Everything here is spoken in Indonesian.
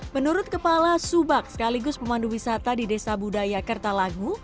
menurut kepala subak sekaligus pemandu wisata di desa budaya kertalangu